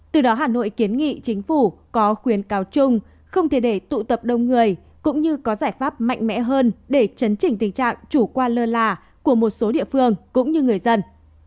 từ đó hà nội kiến nghị chính phủ có khuyến cáo chung không thể để tụ tập đông người cũng như có giải pháp mạnh mẽ hơn để chấn chỉnh tình trạng chủ quan lơ là của một số địa phương cũng như người dân